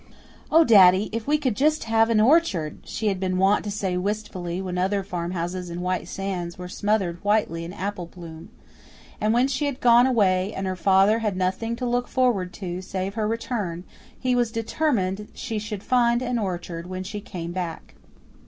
"Oh, daddy, if we could just have an orchard!" she had been wont to say wistfully, when other farmhouses in White Sands were smothered whitely in apple bloom. And when she had gone away, and her father had nothing to look forward to save her return, he was determined she should find an orchard when she came back.